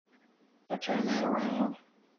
But turn that around.